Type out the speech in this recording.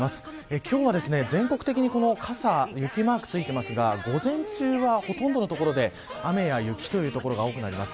今日は全国的に傘、雪マークついてますが午前中はほとんどの所で雨や雪という所が多くなります。